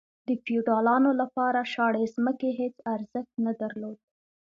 د فیوډالانو لپاره شاړې ځمکې هیڅ ارزښت نه درلود.